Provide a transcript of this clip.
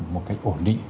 một cách ổn định